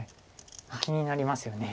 気になりますよね。